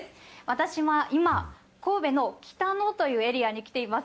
私は今、神戸の北野というエリアに来ています。